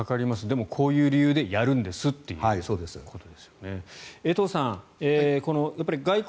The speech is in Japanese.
でも、こういう理由でやるんですということですよね。